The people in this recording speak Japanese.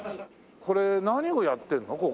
これ何をやってるの？